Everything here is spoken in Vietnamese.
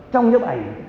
trong nhếp ảnh